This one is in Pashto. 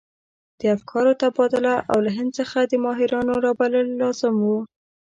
د افکارو تبادله او له هند څخه د ماهرانو رابلل لازم وو.